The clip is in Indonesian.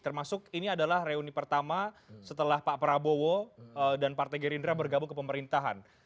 termasuk ini adalah reuni pertama setelah pak prabowo dan partai gerindra bergabung ke pemerintahan